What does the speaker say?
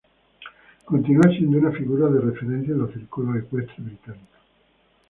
Continúa siendo una figura de referencia en los círculos ecuestres británicos.